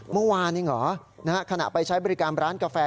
เมื่อวานเองเหรอขณะไปใช้บริการร้านกาแฟ